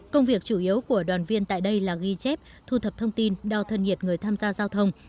công việc chủ yếu của đoàn viên tại đây là ghi chép thu thập thông tin đo thân nhiệt người tham gia giao thông